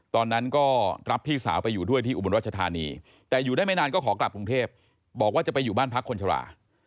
ตอนนั้นก็รับพี่สาวไปอยู่ด้วยที่อุบลรัชธานีแต่อยู่ได้ไม่นานก็ขอกลับกรุงเทพบอกว่าจะไปอยู่บ้านพักคนชรา